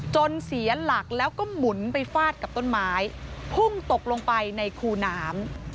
เสียหลักแล้วก็หมุนไปฟาดกับต้นไม้พุ่งตกลงไปในคูน้ำ